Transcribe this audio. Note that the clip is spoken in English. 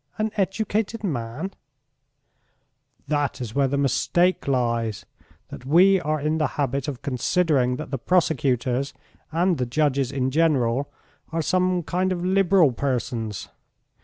An educated man ..." "That is where the mistake lies, that we are in the habit of considering that the prosecutors and the judges in general are some kind of liberal persons.